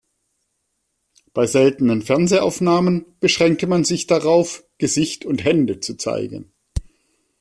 Bei seltenen Fernsehaufnahmen beschränkte man sich darauf Gesicht und Hände zu zeigen.